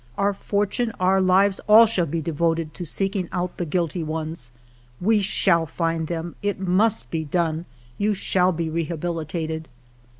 Our fortune, our lives, — all shall be devoted to seeking out the guilty ones. We will find them ; it must be done. You shall be rehabilitated.